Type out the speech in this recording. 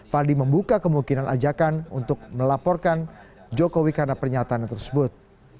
fadli membuka kemungkinan ajakan untuk melaporkan jokowi karena pernyataan tersebut